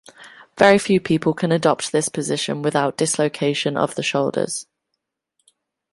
Very few people can adopt this position without dislocation of the shoulders.